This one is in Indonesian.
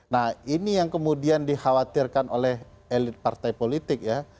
nah ini yang kemudian dikhawatirkan oleh elit partai politik ya